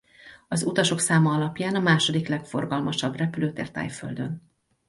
Az utasok száma alapján a második legforgalmasabb repülőtér Thaiföldön.